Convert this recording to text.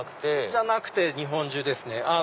じゃなくて日本中ですね。